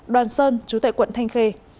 đoàn sơn chú tệ quận thanh khê